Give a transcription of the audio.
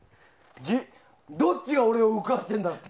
どっちが俺を動かしてるんだって